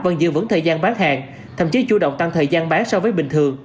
vẫn giữ vững thời gian bán hàng thậm chí chú động tăng thời gian bán so với bình thường